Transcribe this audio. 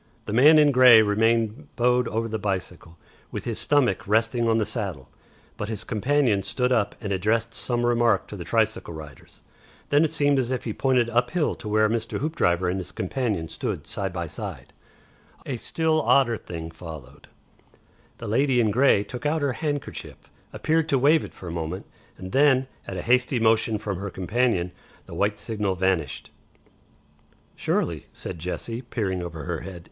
The man in grey remained bowed over the bicycle, with his stomach resting on the saddle, but his companion stood up and addressed some remark to the tricycle riders. Then it seemed as if he pointed up hill to where Mr. Hoopdriver and his companion stood side by side. A still odder thing followed; the lady in grey took out her handkerchief, appeared to wave it for a moment, and then at a hasty motion from her companion the white signal vanished. "Surely," said Jessie, peering under her hand.